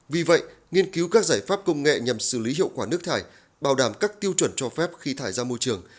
vì vậy nghiên cứu các giải pháp công nghệ nhằm xử lý hiệu quả nước thải bảo đảm các tiêu chuẩn cho phép khi thải ra môi trường